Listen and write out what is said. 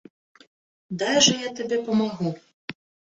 Дай жа я табе памагу.